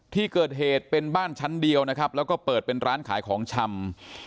ที่เกิดเหตุเป็นบ้านชั้นเดียวนะครับแล้วก็เปิดเป็นร้านขายของชำ